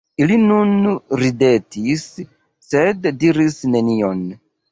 Ili nur ridetis, sed diris nenion.